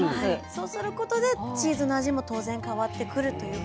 そうすることでチーズの味も当然変わってくるということで。